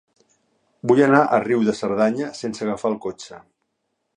Vull anar a Riu de Cerdanya sense agafar el cotxe.